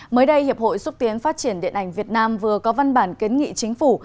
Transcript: mới đây hiệp hội xuất tiến phát triển điện ảnh việt nam vừa có văn bản kiến nghị chính phủ